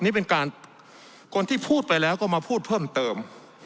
นี่เป็นการคนที่พูดไปแล้วก็มาพูดเพิ่มเติม